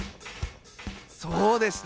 そうでした！